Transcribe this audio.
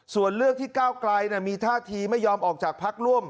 ส่วนเรื่องที่ก้าวไกลมีท่าทีไม่ยอมออกจากพักร่วม